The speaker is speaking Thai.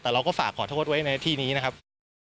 แต่เราก็ฝากขอโทษไว้ในที่นี้นะครับ